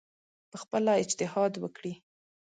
پخپله اجتهاد وکړي